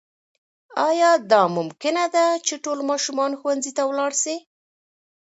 آیا دا ممکنه ده چې ټول ماشومان ښوونځي ته ولاړ سي؟